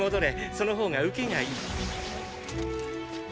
その方がウケがいい。